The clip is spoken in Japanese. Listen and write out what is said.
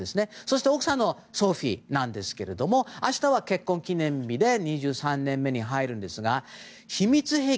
奥さんのソフィーなんですが明日は結婚記念日で２３年目に入るんですが秘密兵器。